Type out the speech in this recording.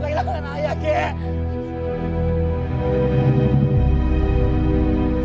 malam aku kehilangan ayah gek